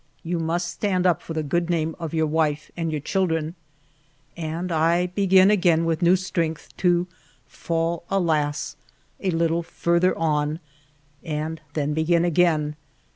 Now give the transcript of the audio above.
You must stand up for the good name of your wife and of your children." And I be gin again with new strength, to fall, alas ! a little farther on, and then begin again.